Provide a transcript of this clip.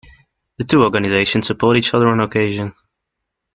The two organizations support each other on occasion.